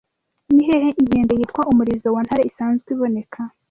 Ni hehe inkende yitwa umurizo wa Ntare isanzwe iboneka